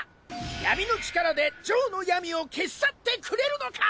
闇の力でジョーの闇を消し去ってくれるのか！？